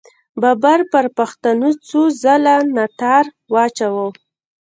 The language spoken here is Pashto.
بابر پر پښتنو څو څله ناتار واچاوو.